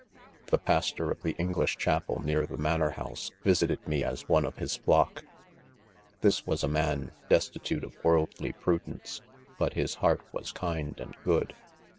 £ The pastor of the English chapel near the " manor house," visited me as one of hisfloeko This was a man, destitute of worldly prudence, but his heart was kindandgood.